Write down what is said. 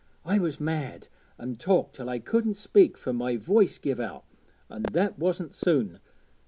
I was mad, an' talked till I couldn't speak fur my voice give out, an' that wasn't soon.